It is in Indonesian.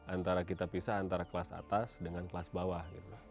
antara kita pisah antara kelas atas dengan kelas bawah